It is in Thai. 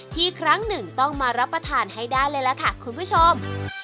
ครั้งหนึ่งต้องมารับประทานให้ได้เลยล่ะค่ะคุณผู้ชม